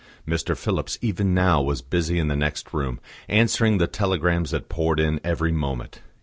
Mr. Phillips even now was busy in the next room, answering the telegrams that poured in every moment.